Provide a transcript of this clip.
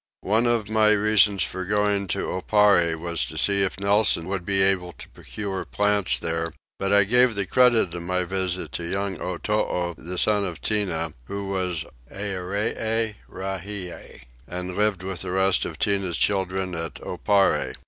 One of my reasons for going to Oparre was to see if Nelson would be able to procure plants there; but I gave the credit of my visit to young Otoo, the son of Tinah, who was the Earee Rahie, and lived with the rest of Tinah's children at Oparre.